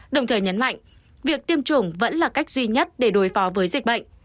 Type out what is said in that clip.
đồng thời nhấn mạnh việc tiêm chủng vẫn là cách duy nhất để đối phó với dịch bệnh